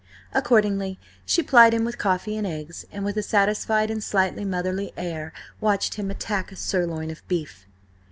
Accordingly she plied him with coffee and eggs, and with a satisfied and slightly motherly air, watched him attack a sirloin of beef.